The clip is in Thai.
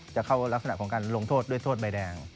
จะเข้ารักษณะของการลงโทษด้วยโทษใบแดง